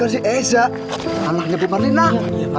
assalamualaikum bu marlina